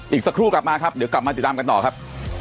อีกสักครู่กลับมาครับเดี๋ยวกลับมาติดตามกันต่อครับ